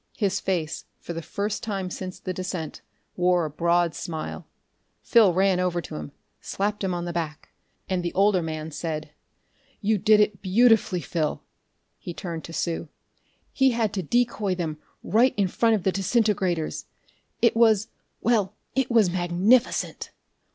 His face, for the first time since the descent, wore a broad smile. Phil ran over to him, slapped him on the back; and the older man said: "You did it beautifully, Phil." He turned to Sue. "He had to decoy them right in front of the disintegrators. It was well, it was magnificent!"